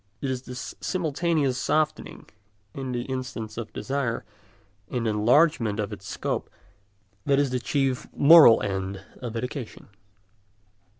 It is this simultaneous softening in the insistence of desire and enlargement of its scope that is the chief moral end of education.